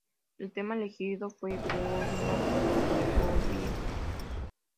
El tema elegido fue Bourbon Boogie.